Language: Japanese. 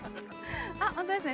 あっ本当ですね。